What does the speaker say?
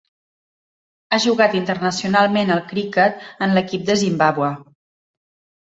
Ha jugat internacionalment al criquet en l'equip de Zimbàbue.